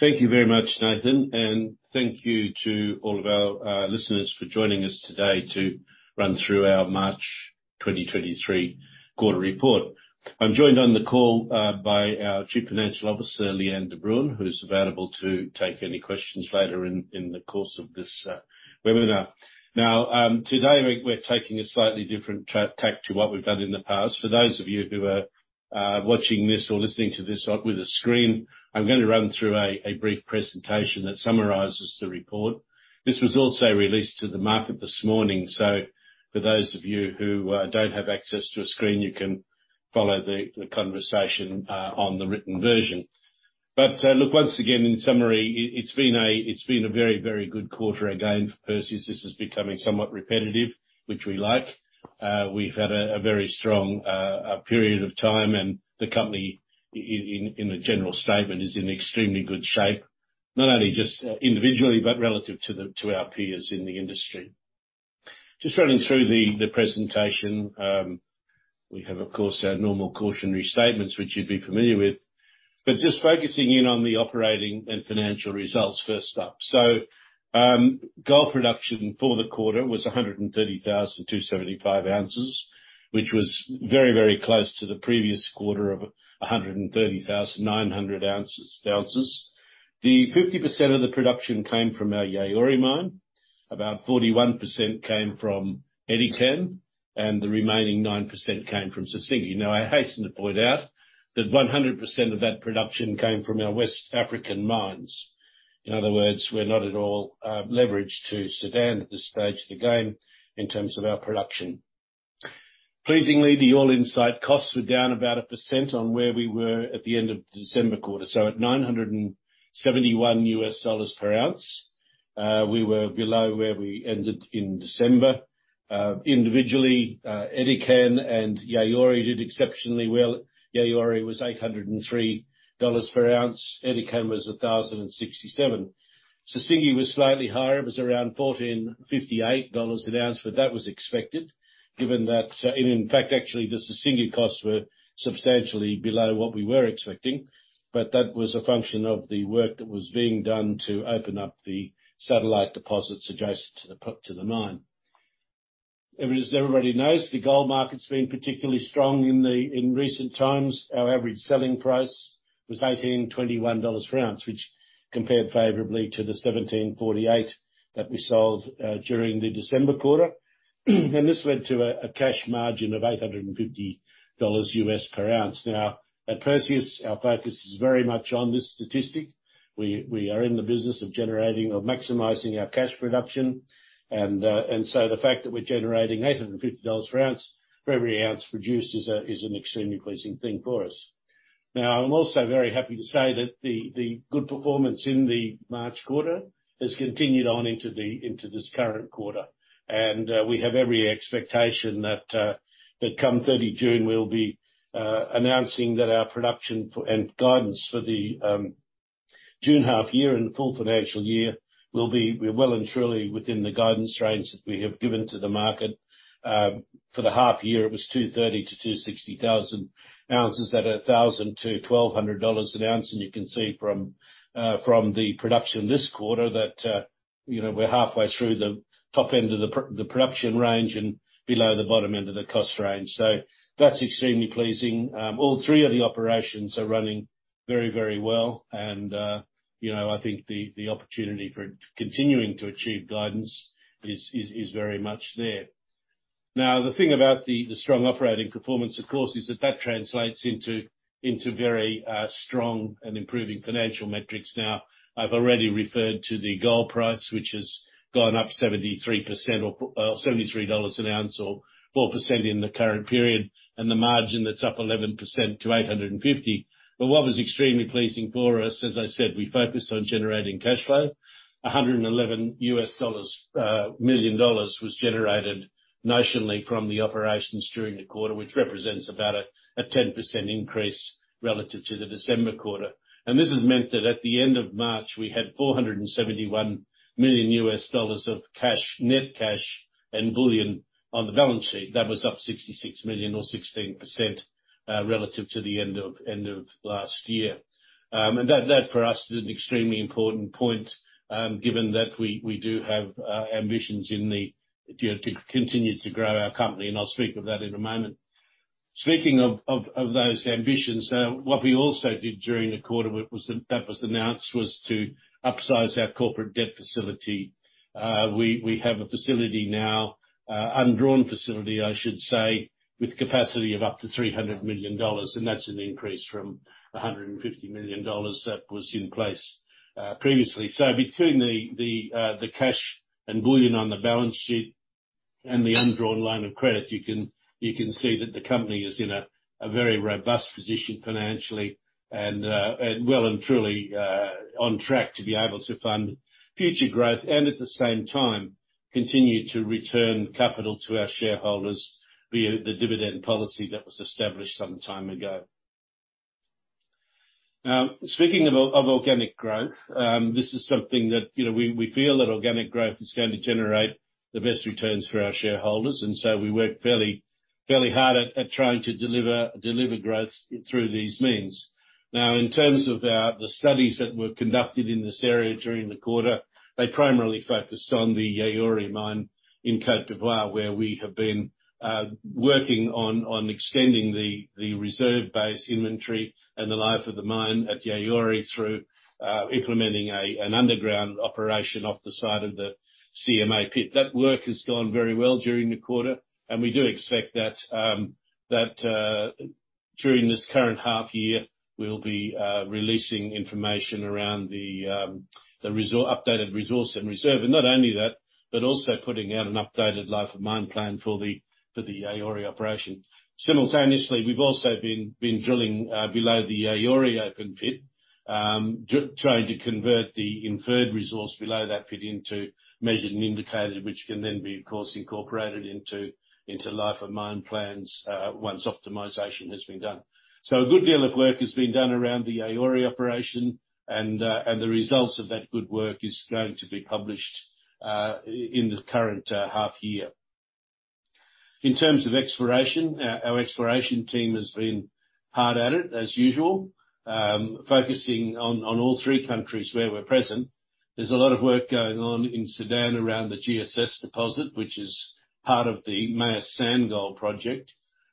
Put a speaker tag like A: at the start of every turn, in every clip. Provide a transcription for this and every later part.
A: Thank you very much, Nathan. Thank you to all of our listeners for joining us today to run through our March 2023 quarter report. I'm joined on the call by our Chief Financial Officer, Lee-Anne de Bruin, who's available to take any questions later in the course of this webinar. Today, we're taking a slightly different tack to what we've done in the past. For those of you who are watching this or listening to this with a screen, I'm gonna run through a brief presentation that summarizes the report. This was also released to the market this morning, for those of you who don't have access to a screen, you can follow the conversation on the written version. Look, once again, in summary, it's been a very, very good quarter again for Perseus. This is becoming somewhat repetitive, which we like. We've had a very strong period of time and the company in a general statement, is in extremely good shape, not only just individually, but relative to our peers in the industry. Just running through the presentation, we have, of course, our normal cautionary statements which you'd be familiar with. Just focusing in on the operating and financial results first up. Gold production for the quarter was 130,275 ounces, which was very, very close to the previous quarter of 130,900 ounces. The 50% of the production came from our Yaouré mine, about 41% came from Edikan, and the remaining 9% came from Sissingué. I hasten to point out that 100% of that production came from our West African mines. In other words, we're not at all leveraged to Sudan at this stage of the game in terms of our production. Pleasingly, the all-in site costs were down about 1% on where we were at the end of the December quarter. At $971 per ounce, we were below where we ended in December. Individually, Edikan and Yaouré did exceptionally well. Yaouré was $803 per ounce, Edikan was $1,067. Sissingué was slightly higher. It was around $1,458 an ounce, but that was expected given that... In fact, actually, the Sissingué costs were substantially below what we were expecting, but that was a function of the work that was being done to open up the satellite deposits adjacent to the mine. As everybody knows, the gold market's been particularly strong in recent times. Our average selling price was $1,821 per ounce, which compared favorably to the $1,748 that we sold during the December quarter. This led to a cash margin of $850 per ounce. At Perseus, our focus is very much on this statistic. We are in the business of generating or maximizing our cash production. The fact that we're generating $850 per ounce for every ounce produced is an extremely pleasing thing for us. I'm also very happy to say that the good performance in the March quarter has continued on into this current quarter. We have every expectation that come 30 June, we'll be announcing that our production for, and guidance for the June half year and the full financial year will be, we're well and truly within the guidance range that we have given to the market. For the half year, it was 230-260 thousand ounces at $1,000-$1,200 an ounce. You can see from the production this quarter that, you know, we're halfway through the top end of the production range and below the bottom end of the cost range. That's extremely pleasing. All three of the operations are running very, very well. You know, I think the opportunity for continuing to achieve guidance is very much there. The thing about the strong operating performance, of course, is that that translates into very strong and improving financial metrics. I've already referred to the gold price, which has gone up 73% or $73 an ounce or 4% in the current period, and the margin that's up 11% to $850. What was extremely pleasing for us, as I said, we focus on generating cash flow. $111 million was generated nationally from the operations during the quarter, which represents about a 10% increase relative to the December quarter. This has meant that at the end of March, we had $471 million of cash, net cash and bullion on the balance sheet. That was up $66 million or 16%, relative to the end of last year. That, that for us is an extremely important point, given that we do have ambitions in the, you know, to continue to grow our company, and I'll speak of that in a moment. Speaking of those ambitions, what we also did during the quarter, that was announced was to upsize our corporate debt facility. We, we have a facility now, undrawn facility, I should say, with capacity of up to $300 million, and that's an increase from $150 million that was in place previously. Between the cash and bullion on the balance sheet and the undrawn line of credit, you can see that the company is in a very robust position financially and well and truly on track to be able to fund future growth and at the same time continue to return capital to our shareholders via the dividend policy that was established some time ago. Speaking of organic growth, this is something that, you know, we feel that organic growth is going to generate the best returns for our shareholders, and so we work fairly hard at trying to deliver growth through these means. In terms of the studies that were conducted in this area during the quarter, they primarily focused on the Yaouré mine in Côte d'Ivoire, where we have been working on extending the reserve base inventory and the life of the mine at Yaouré through implementing an underground operation off the side of the CMA pit. That work has gone very well during the quarter, we do expect that during this current half year, we'll be releasing information around the updated resource and reserve. Not only that, but also putting out an updated life of mine plan for the Yaouré operation. Simultaneously, we've also been drilling below the Yaouré open pit, trying to convert the inferred resource below that pit into measured and indicated, which can then be of course incorporated into life of mine plans once optimization has been done. A good deal of work has been done around the Yaouré operation and the results of that good work is going to be published in the current half year. In terms of exploration, our exploration team has been hard at it as usual, focusing on all three countries where we're present. There's a lot of work going on in Sudan around the GSS deposit, which is part of the Meyas Sand project.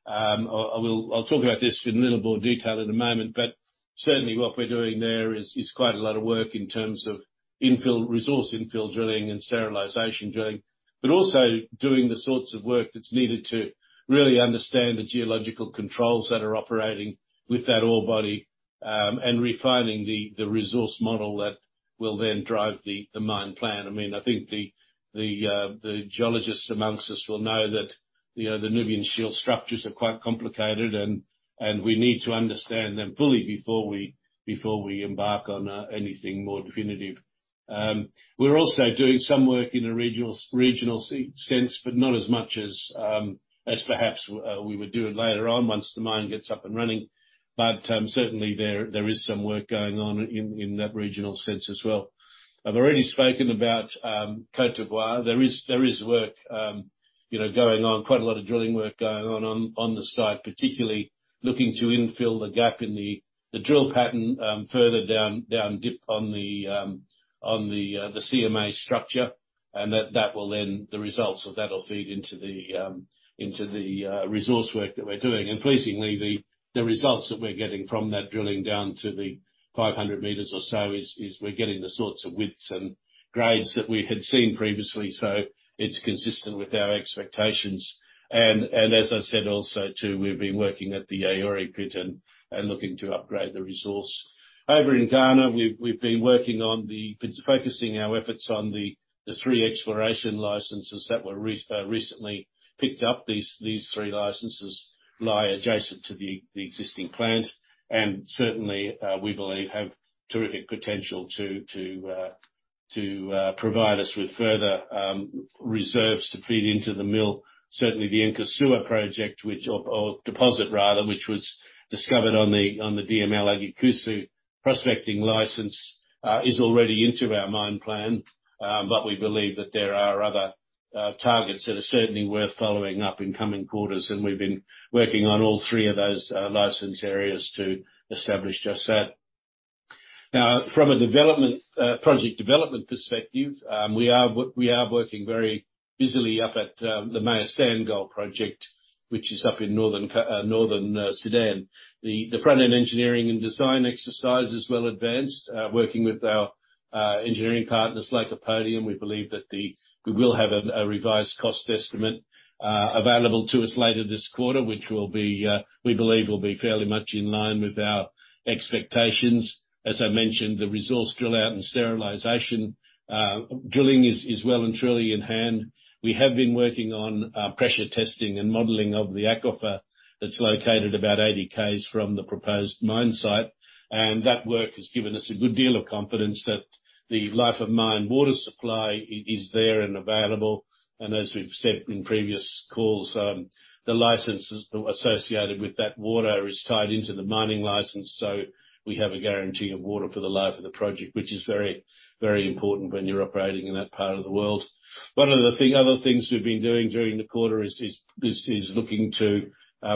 A: I will, I'll talk about this in a little more detail in a moment, but certainly what we're doing there is quite a lot of work in terms of infill, resource infill drilling and sterilization drilling, but also doing the sorts of work that's needed to really understand the geological controls that are operating with that ore body, and refining the resource model that will then drive the mine plan. I mean, I think the geologists amongst us will know that, you know, the Nubian Shield structures are quite complicated and we need to understand them fully before we embark on anything more definitive. We're also doing some work in a regional sense, but not as much as perhaps we would do it later on once the mine gets up and running. Certainly there is some work going on in that regional sense as well. I've already spoken about, Côte d'Ivoire. There is work, you know, going on, quite a lot of drilling work going on on the site, particularly looking to infill the gap in the drill pattern, further down dip on the, on the CMA structure, and that will then, the results of that will feed into the, into the, resource work that we're doing. Pleasingly, the results that we're getting from that drilling down to the 500 meters or so we're getting the sorts of widths and grades that we had seen previously, so it's consistent with our expectations. As I said, also too, we've been working at the Yaouré pit and looking to upgrade the resource. Over in Ghana, we've been focusing our efforts on the three exploration licenses that were recently picked up. These three licenses lie adjacent to the existing plant, and certainly, we believe have terrific potential to provide us with further reserves to feed into the mill. Certainly, the Nkrasua project or deposit rather, which was discovered on the Agyakusu prospecting license, is already into our mine plan, but we believe that there are other targets that are certainly worth following up in coming quarters, and we've been working on all three of those license areas to establish just that. From a development project development perspective, we are working very busily up at the Meyas Sand project, which is up in Northern Sudan. The Front-End Engineering and Design exercise is well advanced. Working with our engineering partners like Lycopodium, we believe that we will have a revised cost estimate available to us later this quarter, which will be, we believe will be fairly much in line with our expectations. As I mentioned, the resource drill out and sterilization drilling is well and truly in hand. We have been working on pressure testing and modeling of the aquifer that's located about 80 km from the proposed mine site, and that work has given us a good deal of confidence that the life of mine water supply is there and available. As we've said in previous calls, the licenses associated with that water is tied into the mining license, so we have a guarantee of water for the life of the project, which is very, very important when you're operating in that part of the world. One of the other things we've been doing during the quarter is looking to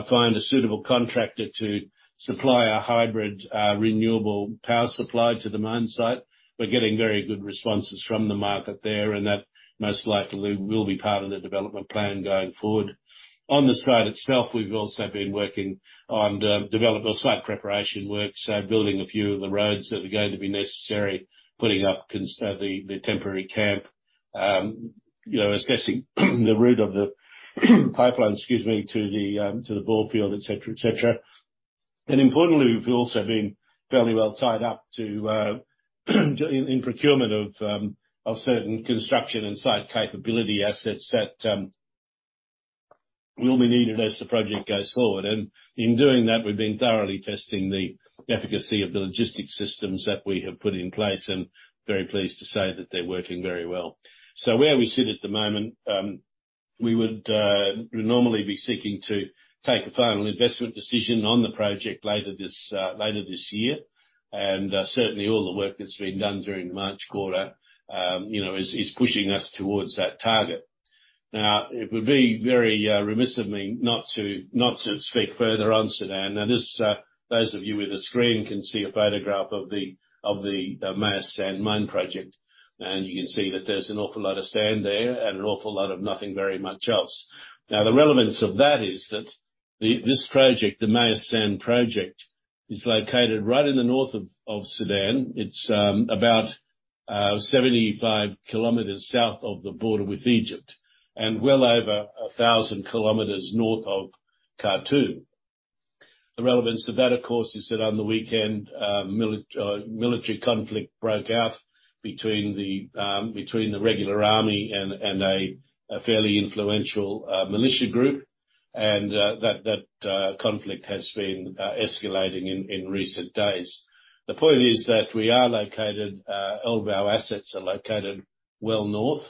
A: find a suitable contractor to supply our hybrid renewable power supply to the mine site. We're getting very good responses from the market there, and that most likely will be part of the development plan going forward. On the site itself, we've also been working on the development, site preparation work, so building a few of the roads that are going to be necessary, putting up the temporary camp, you know, assessing the route of the pipeline, excuse me, to the bore field, et cetera, et cetera. Importantly, we've also been fairly well tied up in procurement of certain construction and site capability assets that will be needed as the project goes forward. In doing that, we've been thoroughly testing the efficacy of the logistics systems that we have put in place, and very pleased to say that they're working very well. Where we sit at the moment, we would normally be seeking to take a final investment decision on the project later this year. Certainly all the work that's been done during the March quarter, you know, is pushing us towards that target. It would be very remiss of me not to speak further on Sudan. This, those of you with a screen can see a photograph of the Meyas Sand Mine project, and you can see that there's an awful lot of sand there and an awful lot of nothing very much else. The relevance of that is that this project, the Meyas Sand Project, is located right in the north of Sudan. It's about 75 kilometers south of the border with Egypt and well over 1,000 kilometers north of Khartoum. The relevance of that, of course, is that on the weekend, military conflict broke out between the regular army and a fairly influential militia group, and that conflict has been escalating in recent days. The point is that we are located, all of our assets are located well north.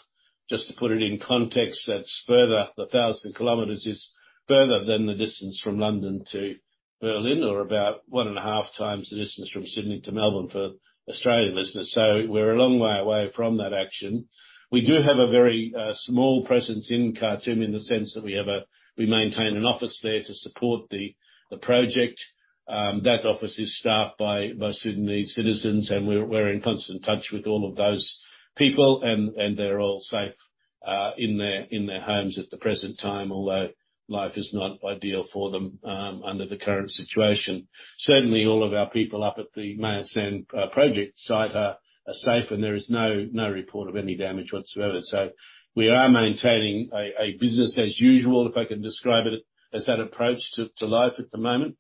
A: Just to put it in context, that's further, the 1,000 kilometers is further than the distance from London to Berlin, or about 1.5 times the distance from Sydney to Melbourne for Australian listeners. We're a long way away from that action. We do have a very small presence in Khartoum in the sense that we maintain an office there to support the project. That office is staffed by Sudanese citizens, and we're in constant touch with all of those people and they're all safe in their homes at the present time, although life is not ideal for them under the current situation. Certainly all of our people up at the Meyas Sand project site are safe, and there is no report of any damage whatsoever. We are maintaining a business as usual, if I can describe it as that approach to life at the moment.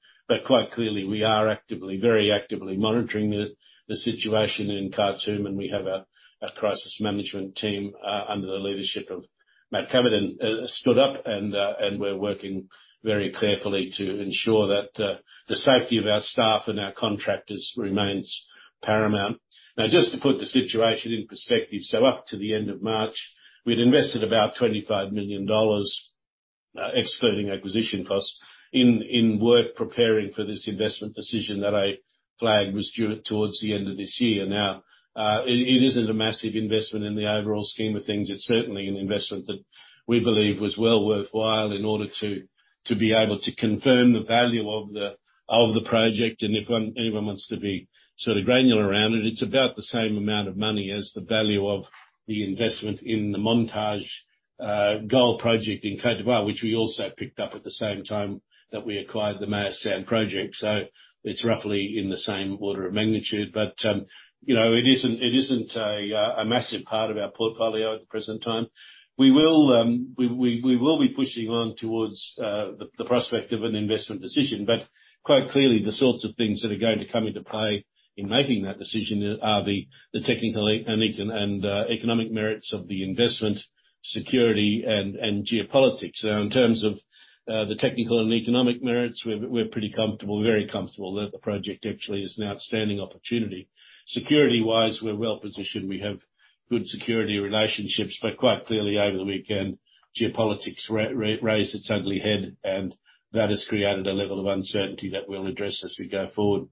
A: Quite clearly we are actively, very actively monitoring the situation in Khartoum, and we have a crisis management team under the leadership of Matthew Cavedon stood up and we're working very carefully to ensure that the safety of our staff and our contractors remains paramount. Just to put the situation in perspective, up to the end of March, we'd invested about $25 million, excluding acquisition costs in work preparing for this investment decision that I flagged was due towards the end of this year. It isn't a massive investment in the overall scheme of things. It's certainly an investment that we believe was well worthwhile in order to be able to confirm the value of the project. If anyone wants to be sort of granular around it's about the same amount of money as the value of the investment in the Montage Gold Project in Côte d'Ivoire, which we also picked up at the same time that we acquired the Meyas Sand project. It's roughly in the same order of magnitude. You know, it isn't, it isn't a massive part of our portfolio at the present time. We will be pushing on towards the prospect of an investment decision. Quite clearly the sorts of things that are going to come into play in making that decision are the technical and economic merits of the investment, security and geopolitics. Now, in terms of the technical and economic merits, we're pretty comfortable, very comfortable that the project actually is an outstanding opportunity. Security-wise, we're well-positioned. We have good security relationships. Quite clearly over the weekend, geopolitics raised its ugly head, and that has created a level of uncertainty that we'll address as we go forward.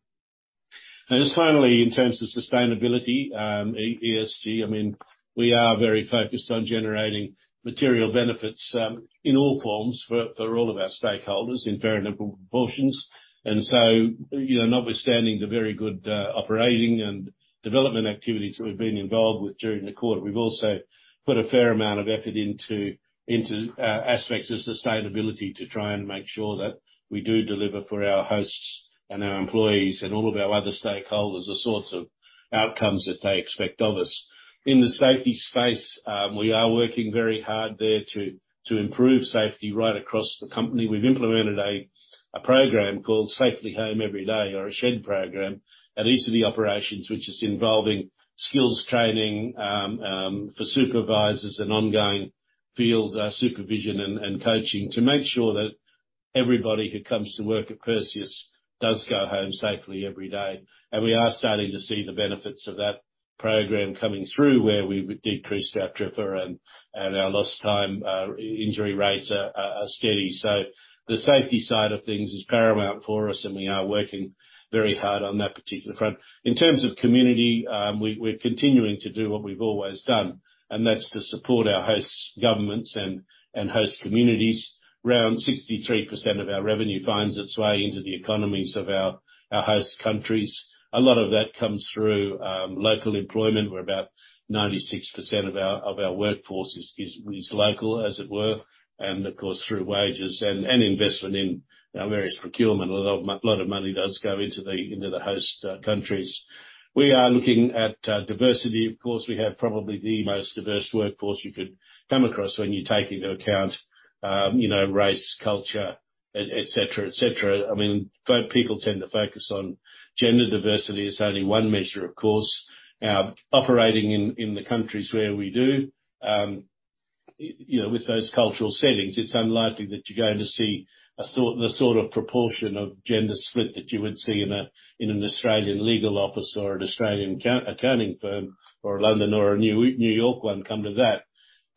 A: Just finally, in terms of sustainability, ESG, I mean, we are very focused on generating material benefits in all forms for all of our stakeholders in varying proportions. You know, notwithstanding the very good operating and development activities that we've been involved with during the quarter, we've also put a fair amount of effort into aspects of sustainability to try and make sure that we do deliver for our hosts and our employees and all of our other stakeholders, the sorts of outcomes that they expect of us. In the safety space, we are working very hard there to improve safety right across the company. We've implemented a program called Safely Home Every Day or a SHED program at each of the operations, which is involving skills training for supervisors and ongoing field supervision and coaching to make sure that everybody who comes to work at Perseus does go home safely every day. We are starting to see the benefits of that program coming through, where we've decreased our TRIFR and our lost time injury rates are steady. The safety side of things is paramount for us, and we are working very hard on that particular front. In terms of community, we're continuing to do what we've always done, and that's to support our host governments and host communities. Around 63% of our revenue finds its way into the economies of our host countries. A lot of that comes through local employment, where about 96% of our workforce is local, as it were. Of course, through wages and investment in our various procurement, a lot of money does go into the host countries. We are looking at diversity. Of course, we have probably the most diverse workforce you could come across when you take into account, you know, race, culture, et cetera, et cetera. I mean, people tend to focus on gender diversity. It's only one measure, of course. Operating in the countries where we do, you know, with those cultural settings, it's unlikely that you're going to see the sort of proportion of gender split that you would see in an Australian legal office or an Australian accounting firm or a London or a New York one, come to that.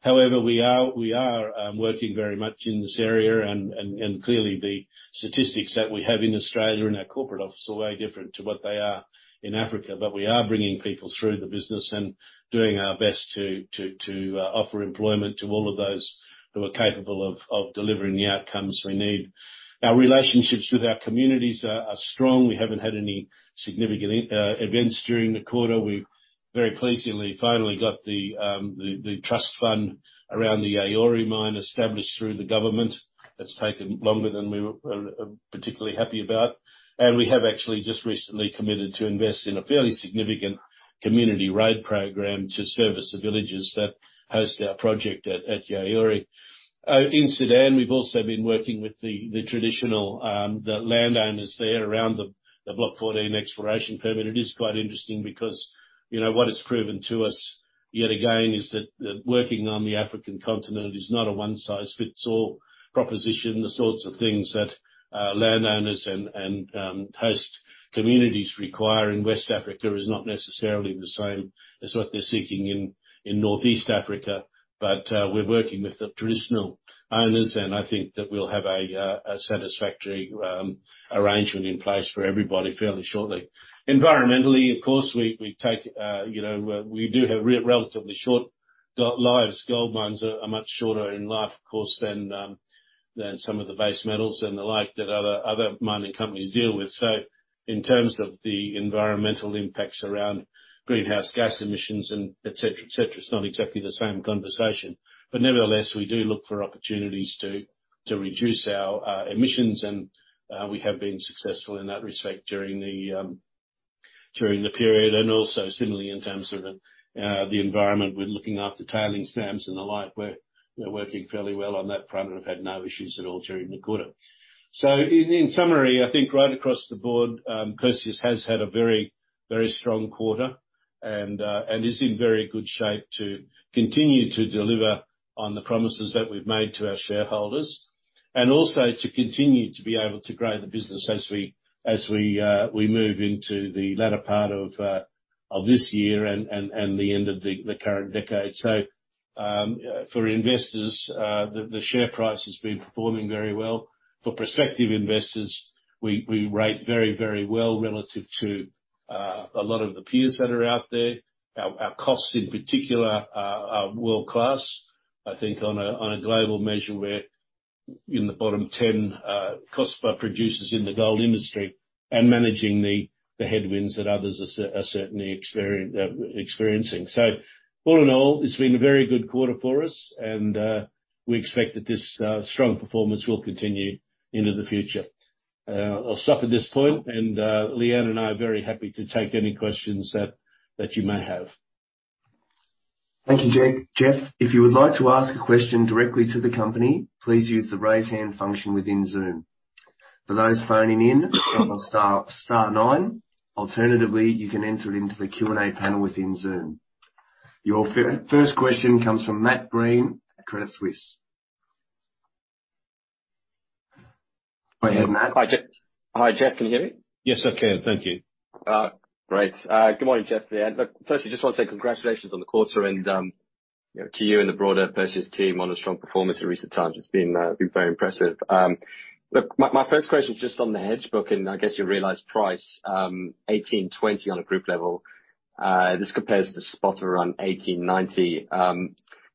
A: We are working very much in this area and clearly the statistics that we have in Australia in our corporate office are way different to what they are in Africa. We are bringing people through the business and doing our best to offer employment to all of those who are capable of delivering the outcomes we need. Our relationships with our communities are strong. We haven't had any significant events during the quarter. We very pleasingly finally got the trust fund around the Yaouré mine established through the government. That's taken longer than we were particularly happy about. We have actually just recently committed to invest in a fairly significant community road program to service the villages that host our project at Yaouré. In Sudan, we've also been working with the traditional landowners there around the Meyas Sand exploration permit. It is quite interesting because, you know, what it's proven to us yet again is that working on the African continent is not a one-size-fits-all proposition. The sorts of things that landowners and host communities require in West Africa is not necessarily the same as what they're seeking in Northeast Africa. We're working with the traditional owners, and I think that we'll have a satisfactory arrangement in place for everybody fairly shortly. Environmentally, of course, we take, you know, we do have relatively short lives. Gold mines are much shorter in life, of course, than some of the base metals and the like that other mining companies deal with. In terms of the environmental impacts around greenhouse gas emissions and et cetera, et cetera, it's not exactly the same conversation. Nevertheless, we do look for opportunities to reduce our emissions. We have been successful in that respect during the period. Similarly in terms of the environment, we're looking after tailing dams and the like. We're working fairly well on that front and have had no issues at all during the quarter. In summary, I think right across the board, Perseus has had a very, very strong quarter and is in very good shape to continue to deliver on the promises that we've made to our shareholders. Also to continue to be able to grow the business as we move into the latter part of this year and the end of the current decade. For investors, the share price has been performing very well. For prospective investors, we rate very, very well relative to a lot of the peers that are out there. Our costs in particular, are world-class. I think on a, on a global measure, we're in the bottom 10 cost per producers in the gold industry and managing the headwinds that others are certainly experiencing. All in all, it's been a very good quarter for us, and we expect that this strong performance will continue into the future. I'll stop at this point, and Lee-Anne and I are very happy to take any questions that you may have.
B: Thank you, Jeff. If you would like to ask a question directly to the company, please use the raise hand function within Zoom. For those phoning in, double star nine. Alternatively, you can enter it into the Q and A panel within Zoom. Your first question comes from Matt Green at Credit Suisse. Go ahead, Matt.
C: Hi, Jeff. Can you hear me?
A: Yes, I can. Thank you.
C: Great. Good morning, Jeff and Lee-Anne. Look, firstly, I just want to say congratulations on the quarter and, you know, to you and the broader Perseus team on a strong performance in recent times. It's been very impressive. Look, my first question is just on the hedge book and I guess your realized price, $1,820 on a group level. This compares to spot around $1,890.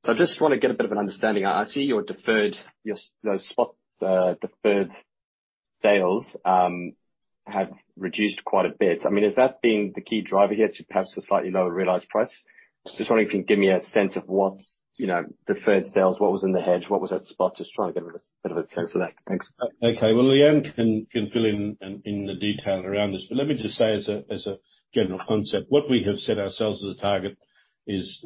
C: I just wanna get a bit of an understanding. I see your deferred sales have reduced quite a bit. I mean, has that been the key driver here to perhaps a slightly lower realized price? Just wondering if you can give me a sense of what's, you know, deferred sales, what was in the hedge? What was that spot? Just trying to get a bit of a sense of that. Thanks.
A: Okay. Well, Lee-Anne can fill in in the detail around this. Let me just say as a general concept, what we have set ourselves as a target is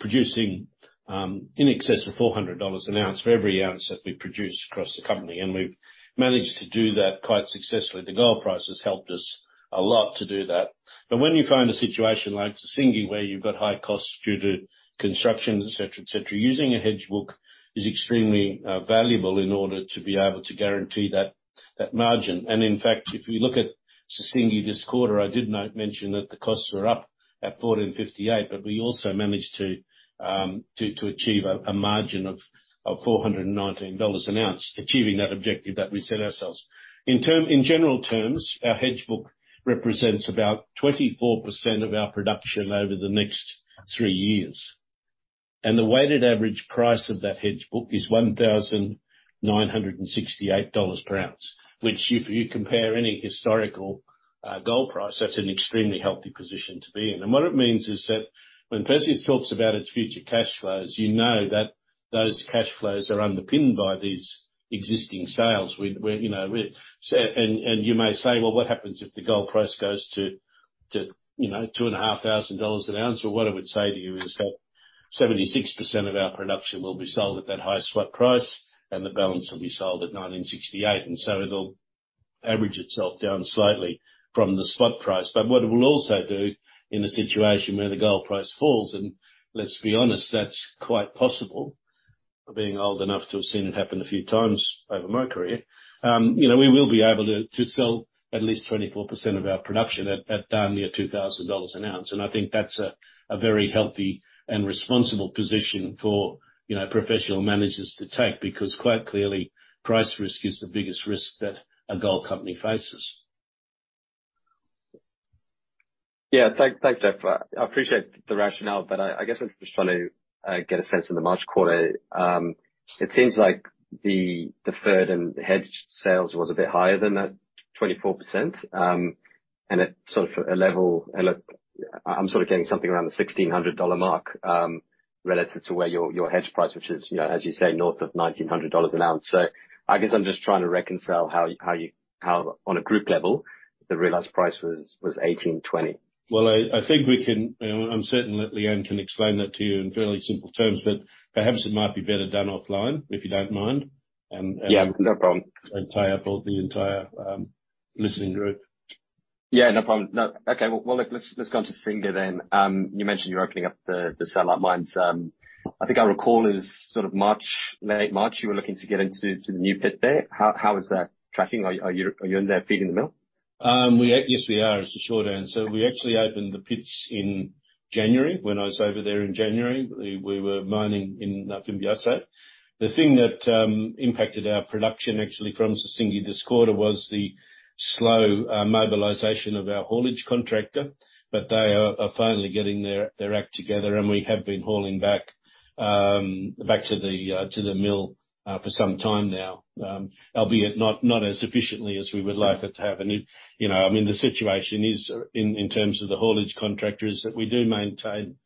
A: producing in excess of $400 an ounce for every ounce that we produce across the company. We've managed to do that quite successfully. The gold price has helped us a lot to do that. When you find a situation like Sissingué, where you've got high costs due to construction, et cetera, et cetera, using a hedge book is extremely valuable in order to be able to guarantee that margin. In fact, if we look at Sissingué this quarter, I did mention that the costs were up at $1,458, we also managed to achieve a margin of $419 an ounce, achieving that objective that we set ourselves. In general terms, our hedge book represents about 24% of our production over the next three years, the weighted average price of that hedge book is $1,968 per ounce. Which if you compare any historical gold price, that's an extremely healthy position to be in. What it means is that when Perseus talks about its future cash flows, you know that those cash flows are underpinned by these existing sales. You may say, "Well, what happens if the gold price goes to, you know, two and a half thousand dollars an ounce?" Well, what I would say to you is that 76% of our production will be sold at that higher spot price, and the balance will be sold at $1,968. It'll average itself down slightly from the spot price. What it will also do in a situation where the gold price falls, and let's be honest, that's quite possible for being old enough to have seen it happen a few times over my career. You know, we will be able to sell at least 24% of our production at darn near $2,000 an ounce. I think that's a very healthy and responsible position for, you know, professional managers to take, because quite clearly, price risk is the biggest risk that a gold company faces.
C: Yeah. Thanks, Jeff. I appreciate the rationale, but I guess I'm just trying to get a sense of the March quarter. It seems like the deferred and hedged sales was a bit higher than that 24%, and at sort of a level. Look, I'm sort of getting something around the $1,600 mark, relative to where your hedge price, which is, you know, as you say, north of $1,900 an ounce. I guess I'm just trying to reconcile how on a group level the realized price was $1,820.
A: You know, I'm certain that Leanne can explain that to you in fairly simple terms, but perhaps it might be better done offline, if you don't mind.
C: Yeah, no problem.
A: The entire board, the entire listening group.
C: No problem. Well, look, let's go on to Sissingué then. You mentioned you're opening up the satellite mines. I think I recall as sort of March, late March, you were looking to get into the new pit there. How is that tracking? Are you in there feeding the mill?
A: We are. Yes, we are, is the short answer. We actually opened the pits in January. When I was over there in January, we were mining in Fimbiasso. The thing that impacted our production actually from Sissingué this quarter was the slow mobilization of our haulage contractor. They are finally getting their act together and we have been hauling back to the mill for some time now. Albeit not as sufficiently as we would like it to have. You know, I mean, the situation is in terms of the haulage contractors, that we do maintain,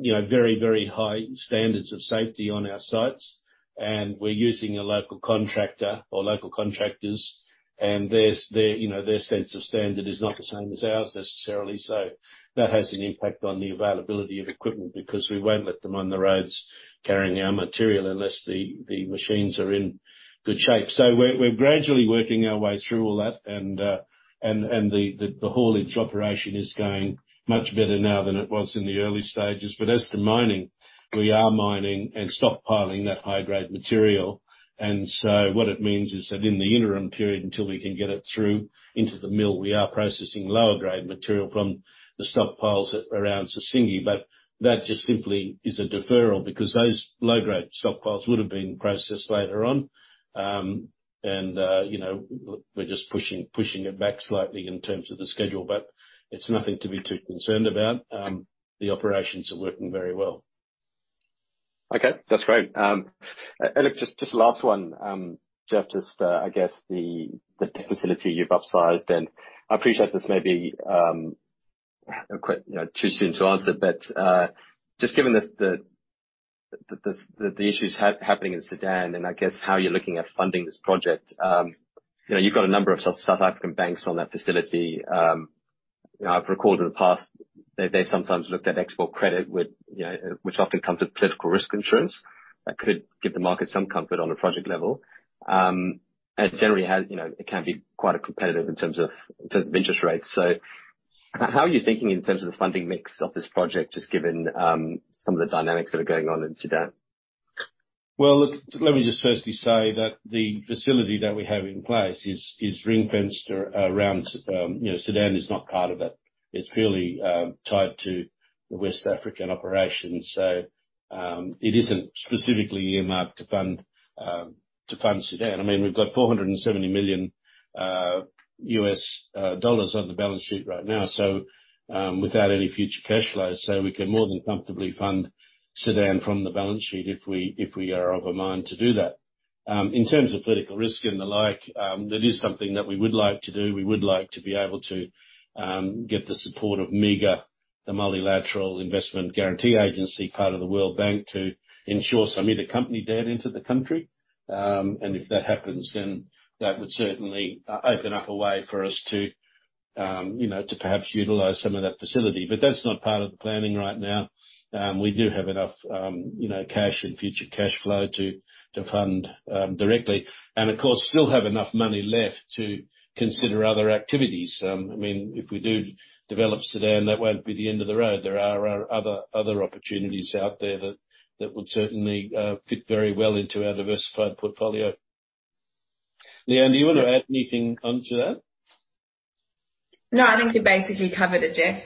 A: you know, very high standards of safety on our sites. We're using a local contractor or local contractors, and their, you know, their sense of standard is not the same as ours necessarily. That has an impact on the availability of equipment because we won't let them on the roads carrying our material unless the machines are in good shape. We're gradually working our way through all that and the haulage operation is going much better now than it was in the early stages. As to mining, we are mining and stockpiling that high grade material. What it means is that in the interim period, until we can get it through into the mill, we are processing lower grade material from the stockpiles at around Sissingué. That just simply is a deferral because those low grade stockpiles would have been processed later on. You know, we're just pushing it back slightly in terms of the schedule, but it's nothing to be too concerned about. The operations are working very well.
C: Okay, that's great. Look, just last one. Jeff, just, I guess the facility you've upsized, and I appreciate this may be quite, you know, too soon to answer, but just given the issues happening in Sudan, and I guess how you're looking at funding this project. You know, you've got a number of South African banks on that facility. You know, I've recalled in the past that they sometimes looked at export credit, which, you know, often comes with political risk insurance. That could give the market some comfort on a project level. Generally has, you know, it can be quite competitive in terms of interest rates. How are you thinking in terms of the funding mix of this project, just given, some of the dynamics that are going on in Sudan?
A: Look, let me just firstly say that the facility that we have in place is ring-fenced around, you know, Sudan is not part of that. It's purely tied to the West African operations. It isn't specifically earmarked to fund to fund Sudan. I mean, we've got $470 million on the balance sheet right now, without any future cash flows. We can more than comfortably fund Sudan from the balance sheet if we are of a mind to do that. In terms of political risk and the like, that is something that we would like to do. We would like to be able to get the support of MIGA, the Multilateral Investment Guarantee Agency, part of the World Bank, to insure some intercompany debt into the country. If that happens, then that would certainly open up a way for us to, you know, to perhaps utilize some of that facility. That's not part of the planning right now. We do have enough, you know, cash and future cash flow to fund, directly, and of course, still have enough money left to consider other activities. I mean, if we do develop Sudan, that won't be the end of the road. There are other opportunities out there that would certainly fit very well into our diversified portfolio. Lee-Anne, do you wanna add anything onto that?
D: No, I think you basically covered it, Jeff.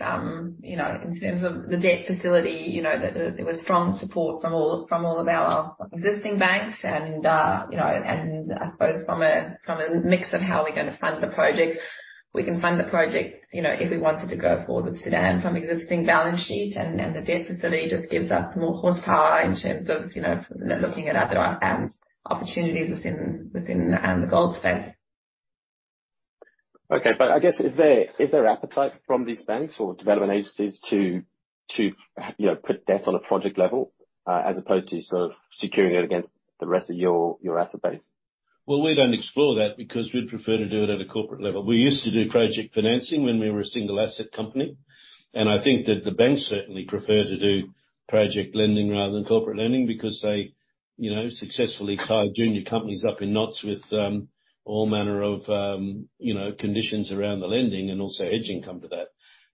D: you know, in terms of the debt facility, you know, there was strong support from all of our existing banks and, you know, I suppose from a, from a mix of how we're gonna fund the project, we can fund the project, you know, if we wanted to go forward with Sudan from existing balance sheet. The debt facility just gives us more horsepower in terms of, you know, looking at other opportunities within the gold space.
C: Okay. I guess, is there appetite from these banks or development agencies to, you know, put debt on a project level, as opposed to sort of securing it against the rest of your asset base?
A: Well, we don't explore that because we'd prefer to do it at a corporate level. We used to do project financing when we were a single asset company. I think that the banks certainly prefer to do project lending rather than corporate lending because they, you know, successfully tie junior companies up in knots with all manner of, you know, conditions around the lending and also hedging come to that.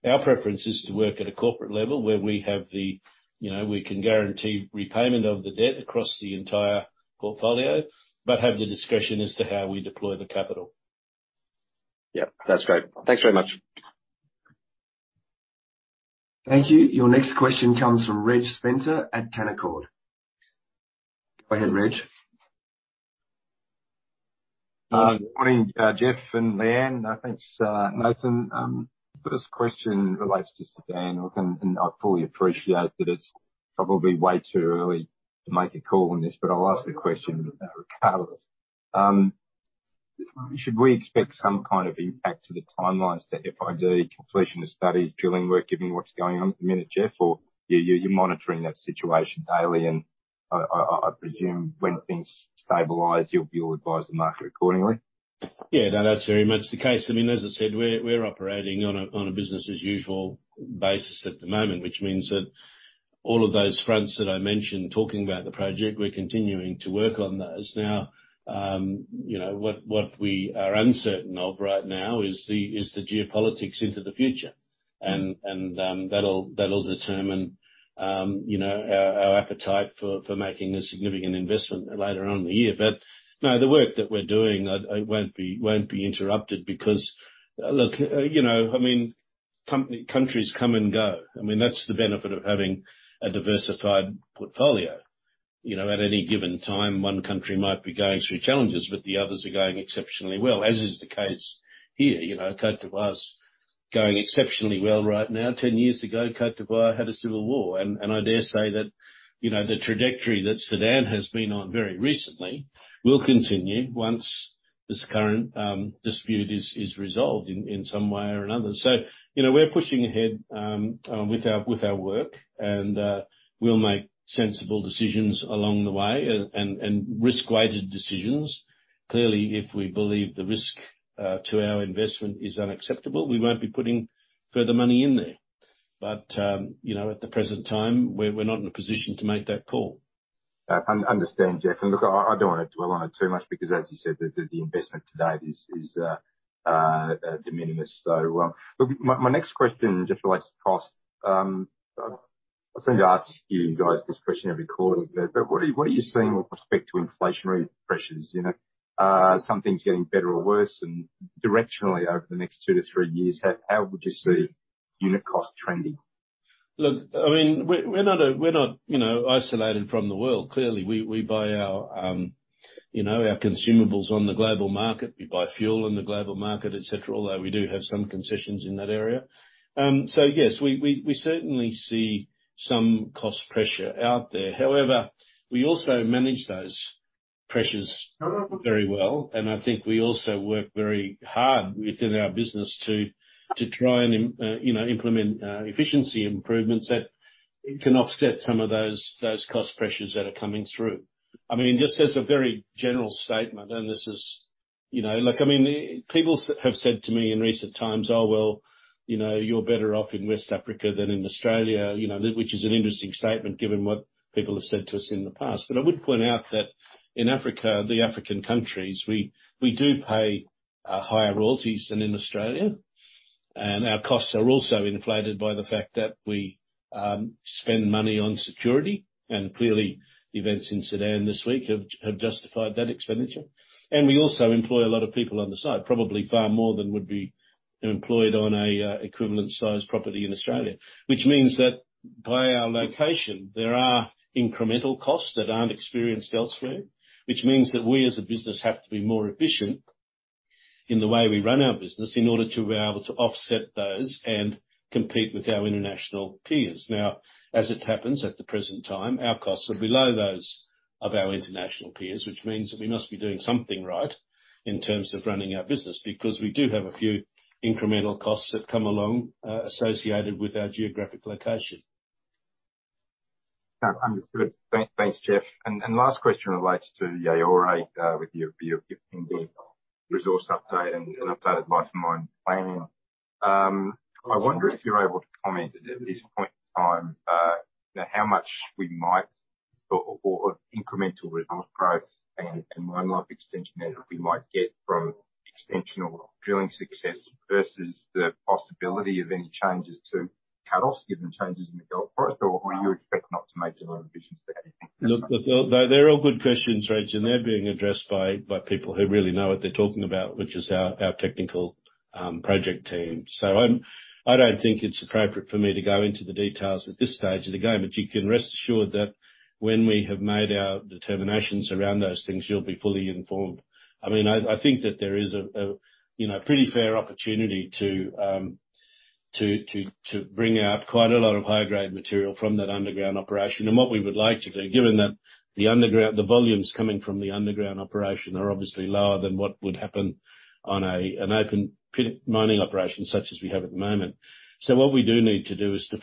A: Our preference is to work at a corporate level where we have the, you know, we can guarantee repayment of the debt across the entire portfolio, but have the discretion as to how we deploy the capital.
C: Yeah, that's great. Thanks very much.
B: Thank you. Your next question comes from Reg Spencer at Canaccord. Go ahead, Reg.
E: Good morning, Jeff and Lee-Anne. Thanks, Nathan. First question relates to Sudan. Look, I fully appreciate that it's probably way too early to make a call on this, but I'll ask the question regardless. Should we expect some kind of impact to the timelines to FID, completion of studies, drilling work, given what's going on at the minute, Jeff? You're monitoring that situation daily, and I presume when things stabilize, you'll advise the market accordingly.
A: Yeah, no, that's very much the case. I mean, as I said, we're operating on a business as usual basis at the moment, which means that all of those fronts that I mentioned talking about the project, we're continuing to work on those. Now, you know, what we are uncertain of right now is the geopolitics into the future. That'll determine, you know, our appetite for making a significant investment later on in the year. No, the work that we're doing it won't be interrupted because look, you know, I mean, countries come and go. I mean, that's the benefit of having a diversified portfolio. You know, at any given time, one country might be going through challenges, but the others are going exceptionally well, as is the case here. You know, Côte d'Ivoire's going exceptionally well right now. 10 years ago, Côte d'Ivoire had a civil war, I dare say that, you know, the trajectory that Sudan has been on very recently will continue once this current dispute is resolved in some way or another. You know, we're pushing ahead with our work, and we'll make sensible decisions along the way and risk-weighted decisions. Clearly, if we believe the risk to our investment is unacceptable, we won't be putting further money in there. You know, at the present time, we're not in a position to make that call.
E: Understand, Jeff. Look, I don't wanna dwell on it too much because, as you said, the investment to date is de minimis. My next question just relates to cost. I seem to ask you guys this question every quarter, but what are you seeing with respect to inflationary pressures? You know, some things getting better or worse and directionally over the next two to three years, how would you see unit cost trending?
A: Look, I mean, we're not, you know, isolated from the world. Clearly, we buy our, you know, our consumables on the global market. We buy fuel in the global market, et cetera, although we do have some concessions in that area. Yes, we certainly see some cost pressure out there. However, we also manage those pressures very well, and I think we also work very hard within our business to try and, you know, implement efficiency improvements that can offset some of those cost pressures that are coming through. I mean, just as a very general statement, and this is, you know. Like, I mean, people have said to me in recent times, "Oh, well, you know, you're better off in West Africa than in Australia." You know, which is an interesting statement given what people have said to us in the past. I would point out that in Africa, the African countries, we do pay higher royalties than in Australia, and our costs are also inflated by the fact that we spend money on security. Clearly, events in Sudan this week have justified that expenditure. We also employ a lot of people on the site, probably far more than would be employed on a equivalent size property in Australia. Which means that by our location, there are incremental costs that aren't experienced elsewhere, which means that we as a business have to be more efficient in the way we run our business in order to be able to offset those and compete with our international peers. Now, as it happens, at the present time, our costs are below those of our international peers, which means that we must be doing something right in terms of running our business. We do have a few incremental costs that come along, associated with our geographic location.
E: Understood. Thanks, Jeff. Last question relates to Yaouré, with your pending resource update and updated life of mine planning. I wonder if you're able to comment at this point in time, how much we might or incremental resource growth and mine life extension that we might get from extensional drilling success versus the possibility of any changes to cut-offs given changes in the gold price? Are you expecting not to make too many revisions to how you think?
A: Look, they're all good questions, Reg. They're being addressed by people who really know what they're talking about, which is our technical project team. I don't think it's appropriate for me to go into the details at this stage of the game, but you can rest assured that when we have made our determinations around those things, you'll be fully informed. I mean, I think that there is a, you know, pretty fair opportunity to bring out quite a lot of high-grade material from that underground operation. What we would like to do, given that the underground, the volumes coming from the underground operation are obviously lower than what would happen on an open pit mining operation such as we have at the moment. What we do need to do is to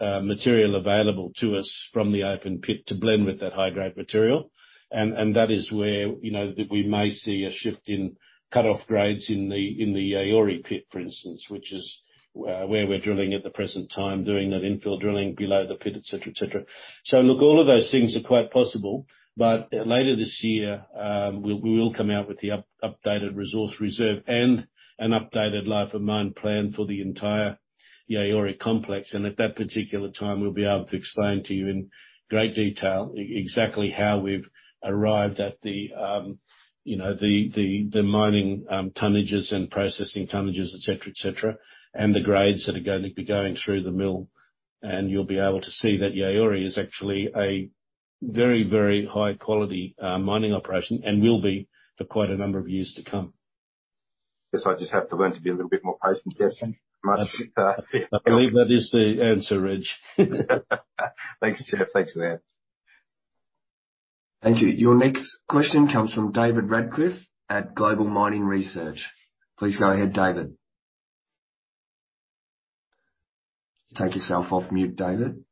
A: have material available to us from the open pit to blend with that high-grade material. That is where, you know, that we may see a shift in cutoff grades in the Yaouré pit, for instance, which is where we're drilling at the present time, doing that infill drilling below the pit, et cetera, et cetera. Look, all of those things are quite possible, but later this year, we will come out with the up-updated resource reserve and an updated life of mine plan for the entire Yaouré complex. At that particular time, we'll be able to explain to you in great detail exactly how we've arrived at the, you know, the, the mining tonnages and processing tonnages, et cetera, et cetera, and the grades that are gonna be going through the mill. You'll be able to see that Yaouré is actually a very, very high quality mining operation and will be for quite a number of years to come.
E: Guess I just have to learn to be a little bit more patient, Jeff.
A: I believe that is the answer, Reg.
E: Thanks, Jeff. Thanks for that.
B: Thank you. Your next question comes from David Radclyffe at Global Mining Research. Please go ahead, David. Take yourself off mute, David.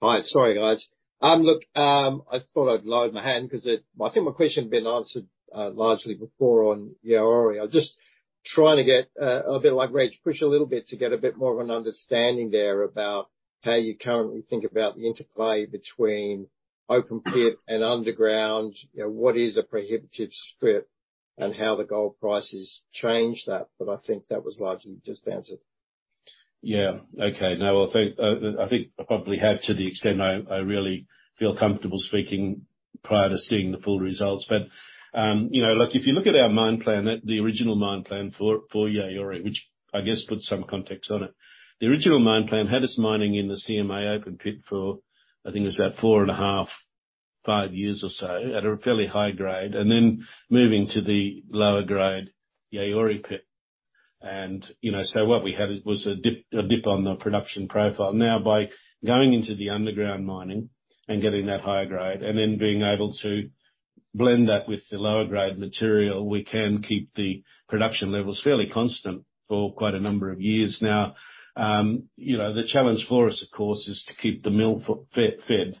F: Hi. Sorry, guys. look, I thought I'd lower my hand 'cause I think my question had been answered, largely before on Yaouré. I was just trying to get, a bit like Reg, push a little bit to get a bit more of an understanding there about how you currently think about the interplay between open pit and underground. You know, what is a prohibitive strip and how the gold prices change that. I think that was largely just answered.
A: Yeah. Okay. No, I think, I think I probably have, to the extent I really feel comfortable speaking prior to seeing the full results. You know, look, if you look at our mine plan, at the original mine plan for Yaouré, which I guess puts some context on it, the original mine plan had us mining in the CMA open pit for I think it was about 4.5-5 years or so, at a fairly high grade, and then moving to the lower grade Yaouré pit. You know, what we had was a dip on the production profile. Now, by going into the underground mining and getting that higher grade and then being able to blend that with the lower grade material, we can keep the production levels fairly constant for quite a number of years now. You know, the challenge for us, of course, is to keep the mill fed.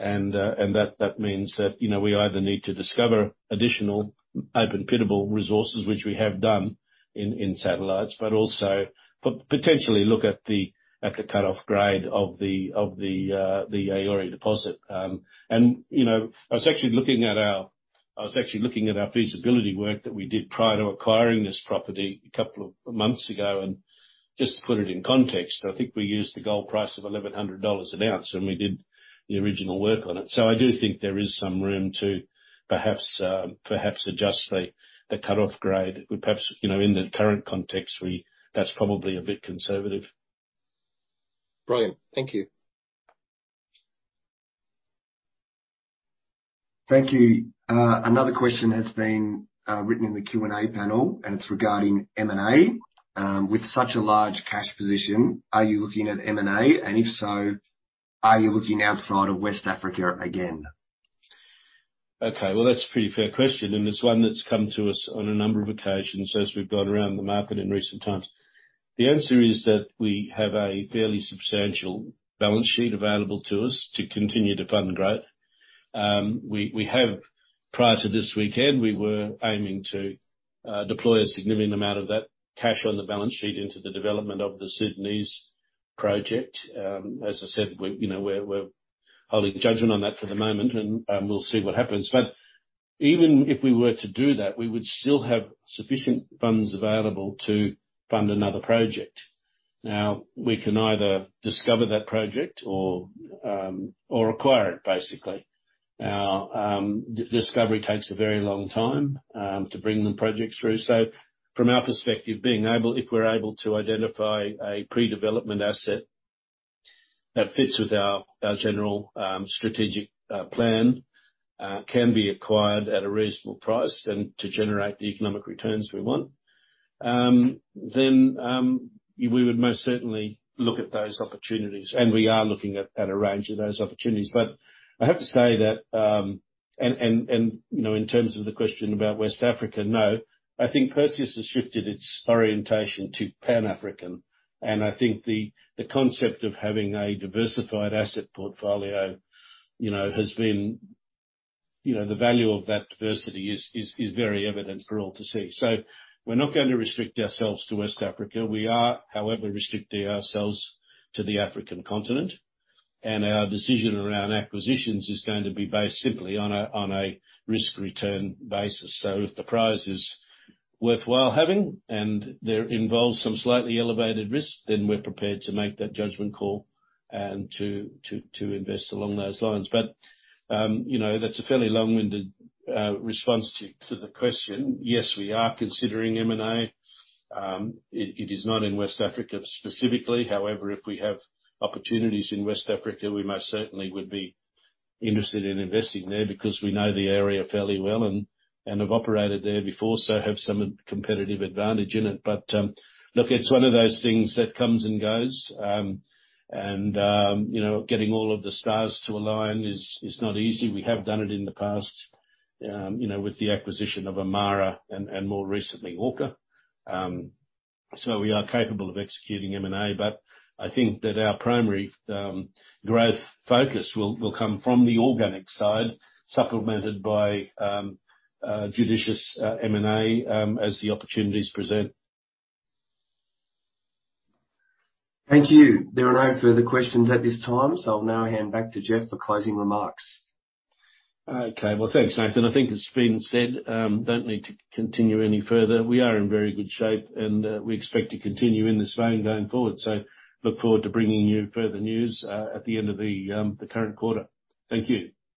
A: that means that, you know, we either need to discover additional open pitable resources, which we have done in Satellites, but also potentially look at the cutoff grade of the Yaouré deposit. you know, I was actually looking at our feasibility work that we did prior to acquiring this property a couple of months ago. Just to put it in context, I think we used the gold price of $1,100 an ounce when we did the original work on it. I do think there is some room to perhaps adjust the cutoff grade. Perhaps, you know, in the current context, that's probably a bit conservative.
F: Brilliant. Thank you.
B: Thank you. Another question has been written in the Q and A panel, and it's regarding M&A. With such a large cash position, are you looking at M&A? If so, are you looking outside of West Africa again?
A: Okay. Well, that's a pretty fair question. It's one that's come to us on a number of occasions as we've gone around the market in recent times. The answer is that we have a fairly substantial balance sheet available to us to continue to fund growth. We have prior to this weekend, we were aiming to deploy a significant amount of that cash on the balance sheet into the development of the Sudanese project. As I said, we, you know, we're holding judgment on that for the moment. We'll see what happens. Even if we were to do that, we would still have sufficient funds available to fund another project. Now, we can either discover that project or acquire it, basically. Now, discovery takes a very long time to bring the projects through. From our perspective, being able, if we're able to identify a pre-development asset that fits with our general, strategic, plan, can be acquired at a reasonable price and to generate the economic returns we want, then, we would most certainly look at those opportunities, and we are looking at a range of those opportunities. I have to say that, and, you know, in terms of the question about West Africa, no. I think Perseus has shifted its orientation to pan-African, and I think the concept of having a diversified asset portfolio, you know, has been. You know, the value of that diversity is, is very evident for all to see. We're not gonna restrict ourselves to West Africa. We are, however, restricting ourselves to the African continent. Our decision around acquisitions is going to be based simply on a risk-return basis. If the prize is worthwhile having and there involves some slightly elevated risk, then we're prepared to make that judgment call and to invest along those lines. You know, that's a fairly long-winded response to the question. Yes, we are considering M&A. It is not in West Africa specifically. If we have opportunities in West Africa, we most certainly would be interested in investing there because we know the area fairly well and have operated there before, so have some competitive advantage in it. Look, it's one of those things that comes and goes. You know, getting all of the stars to align is not easy. We have done it in the past, you know, with the acquisition of Amara and more recently, Orca. We are capable of executing M&A. I think that our primary growth focus will come from the organic side, supplemented by a judicious M&A as the opportunities present.
B: Thank you. There are no further questions at this time. I'll now hand back to Jeff for closing remarks.
A: Okay. Well, thanks, Nathan. I think it's been said. Don't need to continue any further. We are in very good shape, and we expect to continue in this vein going forward. Look forward to bringing you further news at the end of the current quarter. Thank you.